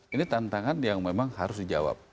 ini tantangan yang memang harus dijawab